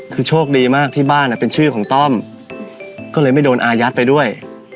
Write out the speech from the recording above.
คือโชคดีมากที่บ้านเป็นชื่อของต้อมก็เลยไม่โดนอายัดไปด้วย